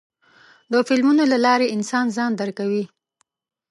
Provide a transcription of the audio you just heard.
د فلمونو له لارې انسان ځان درکوي.